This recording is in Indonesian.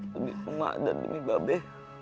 demi emak dan demi mabe